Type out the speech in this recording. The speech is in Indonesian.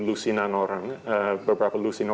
lusinan orang beberapa lusinan